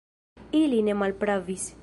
Ili ne malpravis.